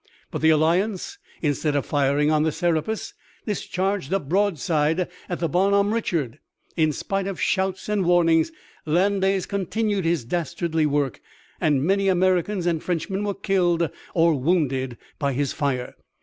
But the Alliance instead of firing on the Serapis discharged a broadside at the Bonhomme Richard. In spite of shouts and warnings, Landais continued his dastardly work and many Americans and Frenchmen were killed or wounded by his fire.